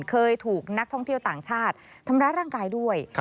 เคยถูกนักท่องเที่ยวต่างชาติทำร้ายร่างกายด้วย